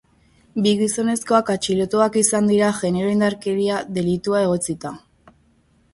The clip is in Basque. Bi gizonezkoak atxilotuak izan dira genero indarkeria delitua egotzita.